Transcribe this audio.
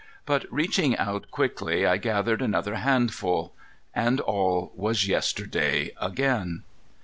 But reaching out quickly I gathered another handful,—and all was yesterday again.